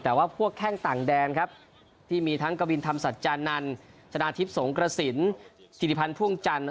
แต่ว่าพวกแข้งต่างแดนครับที่มีทั้งกวินธรรมสัจจานันชนะทิพย์สงกระสินสิริพันธ์พ่วงจันท